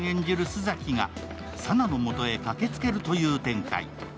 須崎が佐奈の元へ駆けつけるという展開。